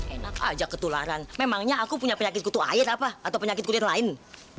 enak aja ketularan memangnya aku punya penyakit kutu air apa atau penyakit kulit lain